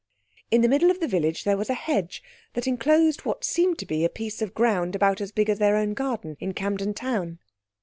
In the middle of the village there was a hedge that enclosed what seemed to be a piece of ground about as big as their own garden in Camden Town.